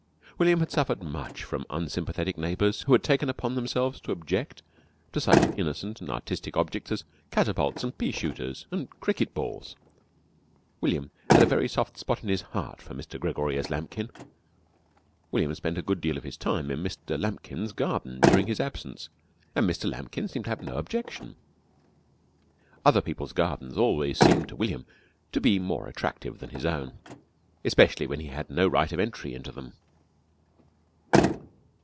William had suffered much from unsympathetic neighbours who had taken upon themselves to object to such innocent and artistic objects as catapults and pea shooters, and cricket balls. William had a very soft spot in his heart for Mr. Gregorius Lambkin. William spent a good deal of his time in Mr. Lambkin's garden during his absence, and Mr. Lambkin seemed to have no objection. Other people's gardens always seemed to William to be more attractive than his own especially when he had no right of entry into them.